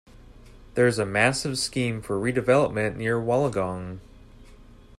There is a massive scheme for redevelopment near Wollongong.